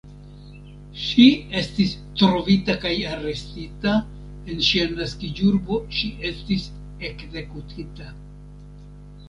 Ŝi estis trovita kaj arestita, en sia naskiĝurbo ŝi estis ekzekutita.